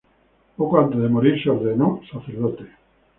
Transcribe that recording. Poco antes de morir se ordenó sacerdote.